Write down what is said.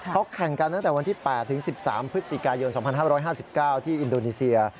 เขาแข่งกันตั้งแต่วันที่๘ถึง๑๓พฤศจิกายน๒๕๕๙ที่อินโดนีเซีย